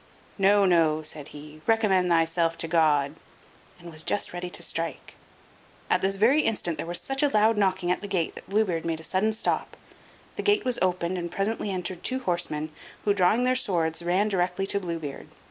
"No, no," said he, "recommend thyself to God," and was just ready to strike... At this very instant there was such a loud knocking at the gate that Blue Beard made a sudden stop. The gate was opened, and presently entered two horsemen, who, drawing their swords, ran directly to Blue Beard.